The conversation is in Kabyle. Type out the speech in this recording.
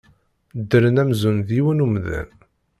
Ddren amzun d yiwen umdan.